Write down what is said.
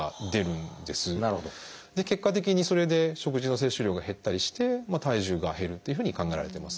結果的にそれで食事の摂取量が減ったりして体重が減るっていうふうに考えられてます。